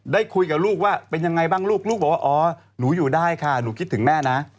ได้คุยกับลูกว่าเป็นยังไงบ้างลูกลูกบอกว่าอ๋อหนูอยู่ได้ค่ะหนูคิดถึงแม่นะ